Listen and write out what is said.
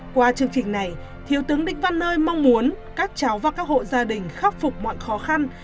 qua chương trình này thiếu tướng đinh văn nơi mong muốn các cháu và các hộ gia đình khắc phục mọi khó khăn